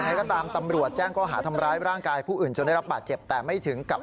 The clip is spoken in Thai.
นะครับมีอะไรก็อาณาคมกันเราต้องช่วยเดี๋ยวกันก็ได้นะครับ